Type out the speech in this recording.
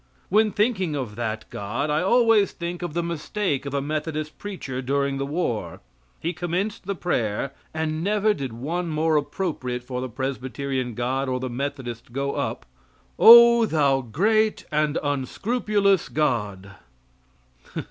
When thinking of that God I always think of the mistake of a Methodist preacher during the war. He commenced the prayer and never did one more appropriate for the Presbyterian God or the Methodist go up "O, Thou great and unscrupulous God."